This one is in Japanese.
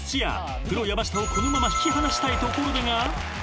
［プロ山下をこのまま引き離したいところだが］